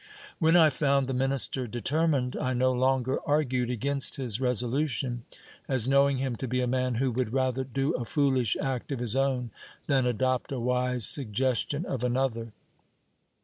When I found the minister determined, I no longer argued against his resolu tion, as knowing him to be a man who would rather do a foolish act of his own, than adopt a wise suggestion of another.